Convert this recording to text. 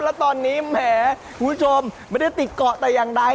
แล้วตอนนี้แหมคุณผู้ชมไม่ได้ติดเกาะแต่อย่างใด